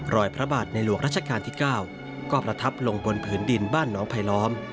พระบาทในหลวงรัชกาลที่๙ก็ประทับลงบนผืนดินบ้านน้องไผลล้อม